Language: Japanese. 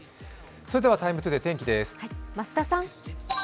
それでは「ＴＩＭＥ，ＴＯＤＡＹ」、天気です。